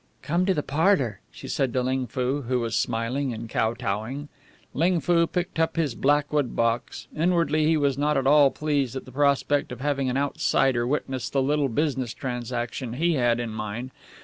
"Come to the parlour," she said to Ling Foo, who was smiling and kotowing. Ling Foo picked up his blackwood box. Inwardly he was not at all pleased at the prospect of having an outsider witness the little business transaction he had in mind.